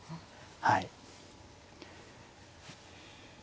はい。